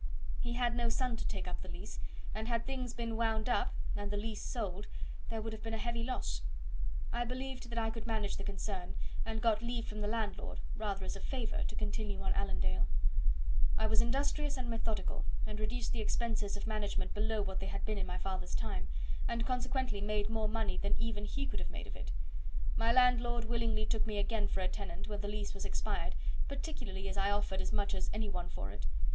He had no son to take up the lease; and had things been wound up, and the lease sold, there would have been a heavy loss. I believed that I could manage the concern, and got leave from the landlord, rather as a favour, to continue on Allendale. I was industrious and methodical, and reduced the expenses of management below what they had been in my father's time, and consequently made more money than even he could have made of it. My landlord willingly took me again for a tenant when the lease was expired, particularly as I offered as much as any one for it.